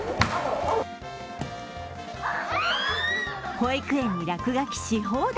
保育園に落書きし放題。